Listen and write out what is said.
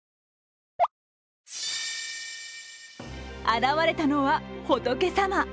現れたのは、仏さま。